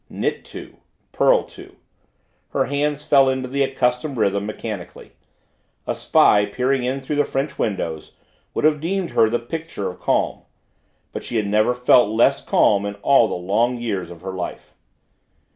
Knit two purl two Her hands fell into the accustomed rhythm mechanically a spy, peering in through the French windows, would have deemed her the picture of calm. But she had never felt less calm in all the long years of her life.